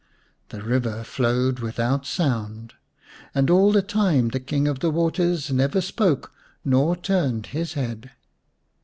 The river flowed without sound. And all the time the King of the Waters never spoke nor turned his head.